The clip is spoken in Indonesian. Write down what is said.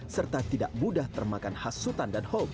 serta tidak mudah termakan hasutan dan hoax